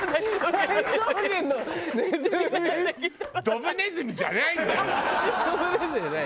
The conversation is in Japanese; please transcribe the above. ドブネズミじゃないよね。